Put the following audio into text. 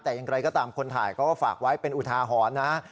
แต่อย่างไรก็ตามคนถ่ายเขาก็ฝากไว้เป็นอุทาหรณ์นะ